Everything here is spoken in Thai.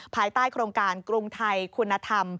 ภายใต้โครงการกรุงไทยคุณธรรม